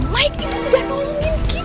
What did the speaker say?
mike itu udah nolongin kita